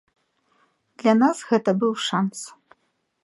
Для нас гэта быў шанц.